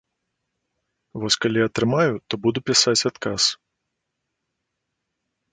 Вось калі атрымаю, то буду пісаць адказ.